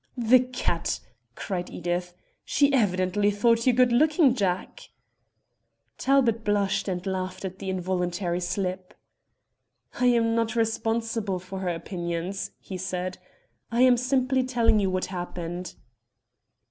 "The cat!" cried Edith. "She evidently thought you good looking, Jack." Talbot blushed and laughed at the involuntary slip. "I am not responsible for her opinions," he said. "I am simply telling you what happened.